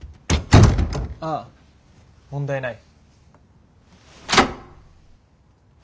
ああ問題ない。